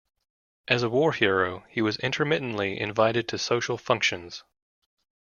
As a war hero, he was intermittently invited to social functions.